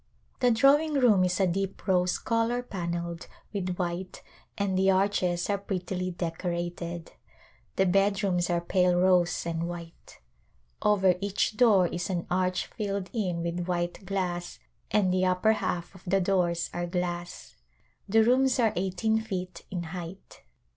The drawing room is a deep rose color panelled with white and the arches are prettily decorated. The bedrooms are pale rose and white. Over each door is an arch filled in with white glass and the upper half of the doors are glass. The rooms are eighteen feet in height.